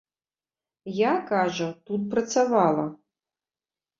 Я, кажа, тут працавала.